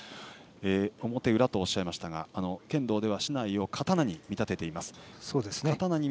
表裏とおっしゃいましたが剣道は竹刀を刀に見立てています。